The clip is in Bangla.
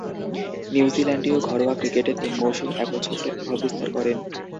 নিউজিল্যান্ডীয় ঘরোয়া ক্রিকেটে তিন মৌসুম একচ্ছত্র প্রভাব বিস্তার করেন।